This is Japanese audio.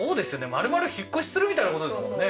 まるまる引っ越しするみたいなことですもんね